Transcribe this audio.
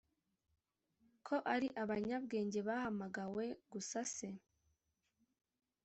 ko ari abanyabwenge bahamagawe gusase.